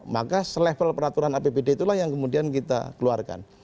maka selevel peraturan apbd itulah yang kemudian kita keluarkan